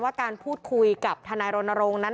การพูดคุยกับทนายรณรงค์นั้น